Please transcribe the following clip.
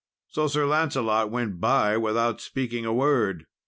So Sir Lancelot went by without speaking a word.